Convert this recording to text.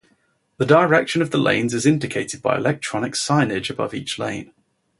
The direction of the lanes is indicated by electronic signage above each lane.